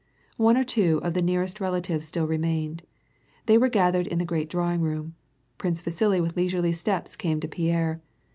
One or two of the nearest relatives still remained. They were gathered in the great drawing room. Prince Vasili with leisurely steps came to Pierre.